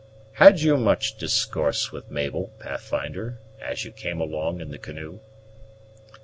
Had you much discourse with Mabel, Pathfinder, as you came along in the canoe?"